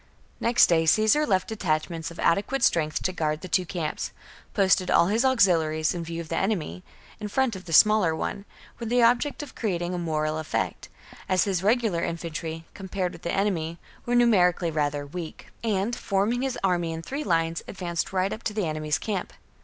Caesar at 5 1. Ncxt day Cacsar left detachments of adequate strength to guard the two camps ; posted all his auxiliaries, in view of the enemy, in front of the smaller one, with the object of creating a moral effect, as his regular infantry, compared with the enemy, were numerically rather weak ; I HELVETII AND ARIOVISTUS 47 and, forming his army in three lines, advanced 58 b.c. right up to the enemy's camp.